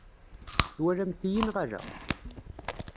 Twalamt-iyi neɣ ala?